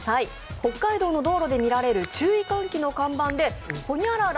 北海道の道路で見られる注意喚起の看板でホニャララ